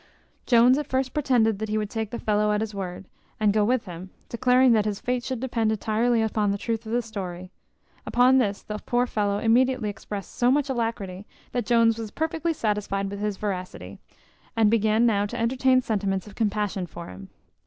Jones at first pretended that he would take the fellow at his word, and go with him, declaring that his fate should depend entirely on the truth of his story. Upon this the poor fellow immediately expressed so much alacrity, that Jones was perfectly satisfied with his veracity, and began now to entertain sentiments of compassion for him.